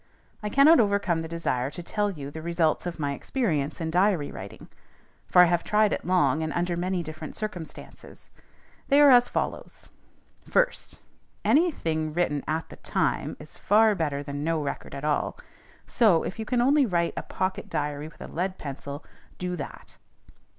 I cannot overcome the desire to tell you the results of my experience in diary writing; for I have tried it long, and under many different circumstances. They are as follows: First, Any thing written at the time is far better than no record at all; so, if you can only write a pocket diary with lead pencil, do that.